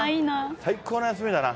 最高の休みだな。